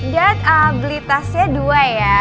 dad beli tasnya dua ya